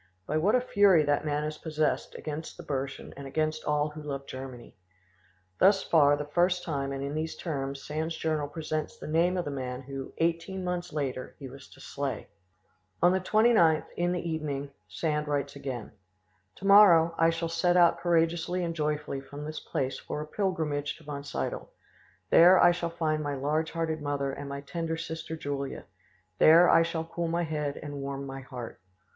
By what a fury that man is possessed against the Burschen and against all who love Germany!" Thus for the first time and in these terms Sand's journal presents the name of the man who, eighteen months later, he was to slay. On the 29th, in the evening, Sand writes again: "To morrow I shall set out courageously and joyfully from this place for a pilgrimage to Wonsiedel; there I shall find my large hearted mother and my tender sister Julia; there I shall cool my head and warm my heart.